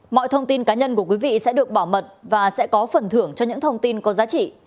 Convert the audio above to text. mọi thông tin cá nhân của quý vị sẽ được bảo mật và sẽ có phần thưởng cho những thông tin có giá trị